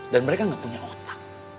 dan mereka enggak punya otak